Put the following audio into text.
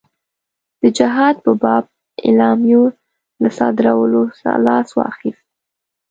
د جهاد په باب اعلامیو له صادرولو لاس واخیست.